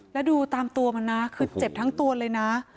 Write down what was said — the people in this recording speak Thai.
แล้วดูตามตัวมันนะคือเจ็บทั้งตัวเลยนะ